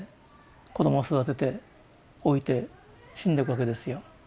子供を育てて老いて死んでいくわけですよ。